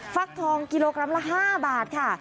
ฟักทองกิโลกรัมละ๕บาทค่ะ